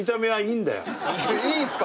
いいんすか？